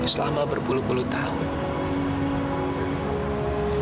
selama berpuluh puluh tahun